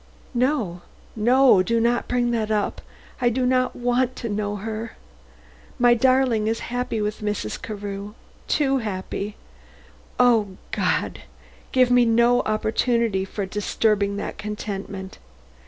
"No, no; do not bring up that. I do not want to know her. My darling is happy with Mrs. Carew too happy. O God! Give me no opportunity for disturbing that contentment.